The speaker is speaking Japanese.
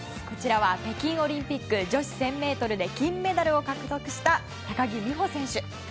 こちらは北京オリンピック女子１０００ｍで金メダルを獲得した高木美帆選手。